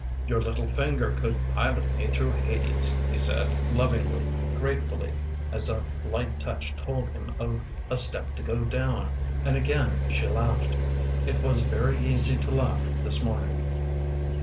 "Your little finger could pilot me through Hades" he said, lovingly, gratefully, as a light touch told him of a step to go down, and again she laughed; it was very easy to laugh this morning.